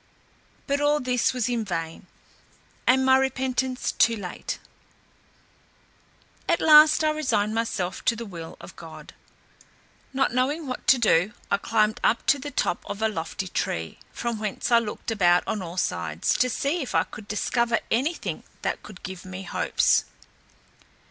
But all this was in vain, and my repentance too late. At last I resigned myself to the will of God. Not knowing what to do, I climbed up to the top of a lofty tree, from whence I looked about on all sides, to see if I could discover any thing that could give me hopes.